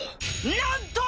なんと！